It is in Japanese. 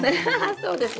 そうですね。